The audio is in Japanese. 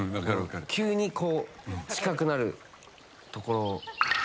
急にこう、近くなるところ。